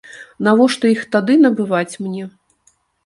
Навошта іх тады набываць мне?